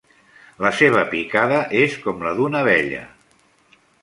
La seva picada és com la d'una abella.